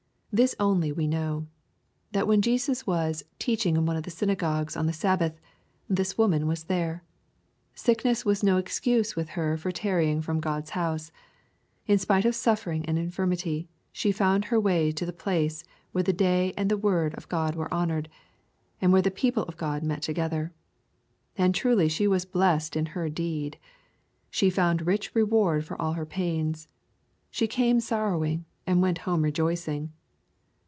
This only we know, that when Jesus was " teaching in one of the synagogues on the Sabbath," this woman was there. Sickness was no excuse with her for tarrying from God's house. In spite of suffering and infirmity, she found her way to the place where the day and the word of God were honored, and where the people of God met together. And truly she was blessed in her deed 1 She found a rich reward for all her pains. She came sorrowing, and went home rejoicing.